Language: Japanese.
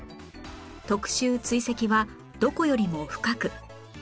特集「追跡」は「どこよりも深く」